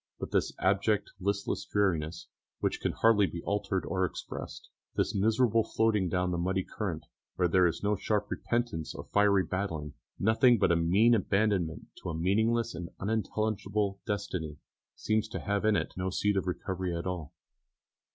But this abject, listless dreariness, which can hardly be altered or expressed, this miserable floating down the muddy current, where there is no sharp repentance or fiery battling, nothing but a mean abandonment to a meaningless and unintelligible destiny, seems to have in it no seed of recovery at all.